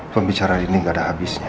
pembicaraan ini nggak ada habisnya